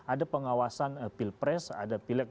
ada pengawasan pilpres ada pilek